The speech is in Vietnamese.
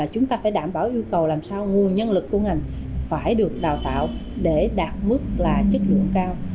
chúng ta phải đảm bảo yêu cầu làm sao nguồn nhân lực của ngành phải được đào tạo để đạt mức là chất lượng cao